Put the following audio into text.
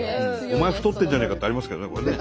お前太ってんじゃねえかってありますけどねこれね。